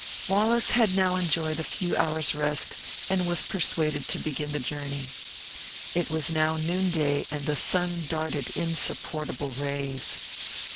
Wallace had now enjoyed a few hours' rest, and was persuaded to begin the journey. It was now noonday, and the sun darted insupportable rays.